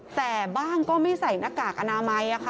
แต่บ้างก็ไม่ใส่หน้ากากอนามัย